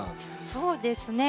そうですね。